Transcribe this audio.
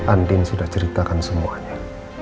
andien sudah ceritakan semuanya